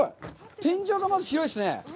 天井がまず広いですね。